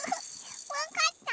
わかった？